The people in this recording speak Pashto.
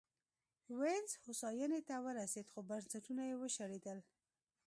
وینز هوساینې ته ورسېد خو بنسټونه یې وشړېدل